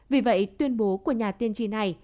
vì vậy tuyên bố của nhà tiên tri này